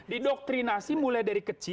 didoktrinasi mulai dari kecil